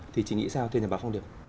thì chị nghĩ sao thưa nhà bà phong điệp